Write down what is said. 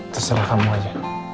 terserah kamu aja